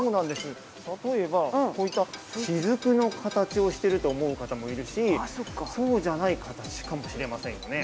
例えばこういった滴の形をしてると思う方もいるしそうじゃない形かもしれませんよね。